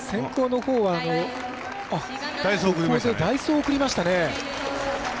代走を送りましたね。